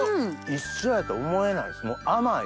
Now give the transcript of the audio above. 一緒やと思えないです甘い。